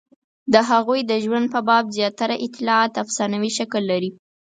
د هغوی د ژوند په باب زیاتره اطلاعات افسانوي شکل لري.